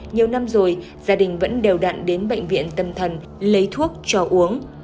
nhiều năm rồi gia đình vẫn đều đặn đến bệnh viện tâm thần lấy thuốc cho uống